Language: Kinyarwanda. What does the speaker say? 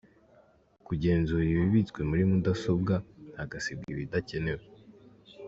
Kugenzura ibibitswe muri mudasobwa, hagasibwa ibidakenewe.